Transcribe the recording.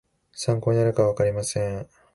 参考になるかはわかりません